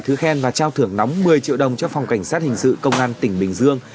thứ khen và trao thưởng nóng một mươi triệu đồng cho phòng cảnh sát hình sự công an tỉnh bình dương